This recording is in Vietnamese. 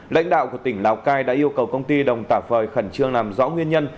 lãnh đạo của tỉnh lào cai đã yêu cầu công ty đồng tả phời khẩn trương làm rõ nguyên nhân